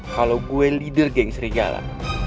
kalo gua leader geng serigala